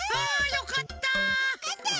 よかったね。